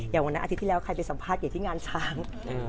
อย่างวันอาทิตย์ที่แล้วใครไปสัมภาษณ์อยู่ที่งานช้าง